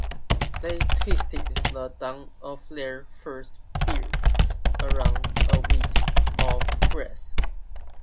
They twisted the down of their first beard around a wisp of grass.